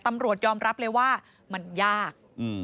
ตำรวจยอมรับเลยว่ามันยาก